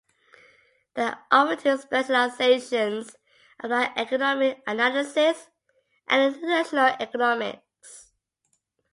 There are offered two specializations: Applied Economic Analysis and International Economics.